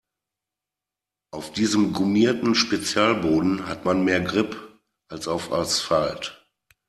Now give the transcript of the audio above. Auf diesem gummierten Spezialboden hat man mehr Grip als auf Asphalt.